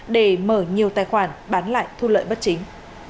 để mở nhiều tài khoản bán lại thu lợi bất chính